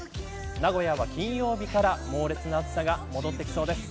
名古屋は金曜日から猛烈な暑さが戻ってきそうです。